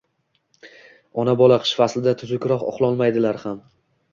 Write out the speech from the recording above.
Ona-bola qish faslida tuzukroq uxlolmaydilar ham